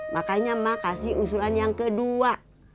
makanya saya memberikan usulan yang kedua